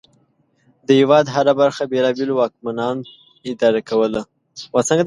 د هېواد هره برخه بېلابېلو واکمنانو اداره کوله.